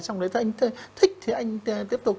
xong rồi thấy anh thích thì anh tiếp tục